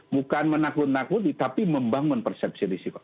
bukan menakut nakuti tapi membangun persepsi risiko